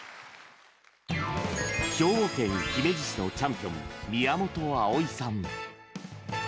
兵庫県姫路市のチャンピオン宮本碧泉さん。